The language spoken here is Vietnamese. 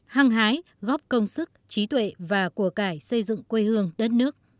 hăng hái góp công sức trí tuệ và của cải xây dựng quê hương đất nước